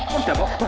kok udah bawa